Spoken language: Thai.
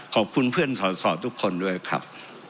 ขอบคุณเพื่อนสอสอทุกคนด้วยครับ